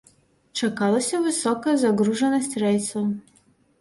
Чакалася высокая загружанасць рэйсаў.